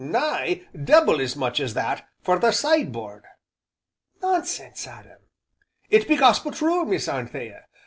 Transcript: nigh double as much as that for the side board." "Nonsense, Adam!" "It be gospel true, Miss Anthea.